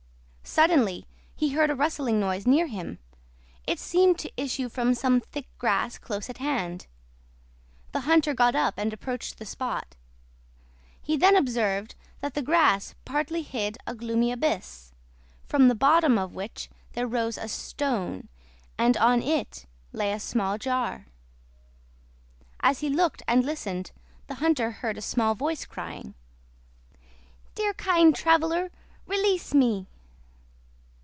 Suddenly he heard a rustling noise near him. It seemed to issue from some thick grass close at hand. The hunter got up and approached the spot. He then observed that the grass partly hid a gloomy abyss, from the bottom of which there rose a stone, and on it lay a small jar. As he looked and listened the hunter heard a small voice crying— "Dear, kind traveler, release me!"